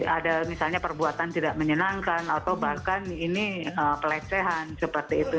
ada misalnya perbuatan tidak menyenangkan atau bahkan ini pelecehan seperti itu